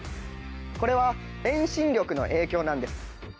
これは遠心力の影響なんです。